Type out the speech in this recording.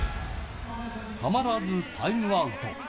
たまらずタイムアウト。